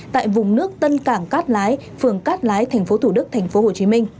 tại vùng nước tân cảng cát lái phường cát lái tp thủ đức tp hcm